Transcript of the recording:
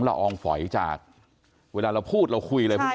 ละอองฝอยจาก